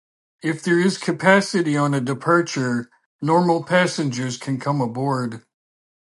If there is capacity on a departure, "normal" passengers can come aboard.